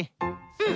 うん。